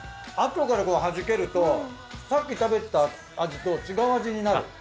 あとからこう弾けるとさっき食べてた味と違う味になる。